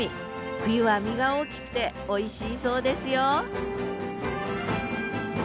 冬は身が大きくておいしいそうですよ